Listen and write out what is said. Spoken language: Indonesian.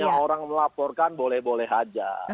namanya orang melaporkan boleh boleh saja